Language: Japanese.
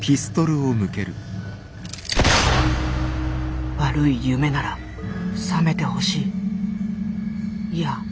心の声悪い夢ならさめてほしい。